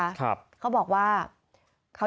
เขาบอกว่าเขาย้อนรับสารภาพว่า